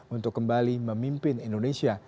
untuk kembali memimpin indonesia